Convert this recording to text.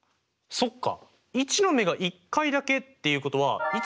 そっか。